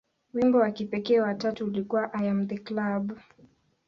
Wimbo wa kipekee wa tatu ulikuwa "I Am The Club".